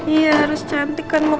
iya harus cantik kan mau ketemu nino